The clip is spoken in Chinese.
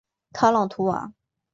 卡朗图瓦。